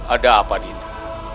ada apa dinda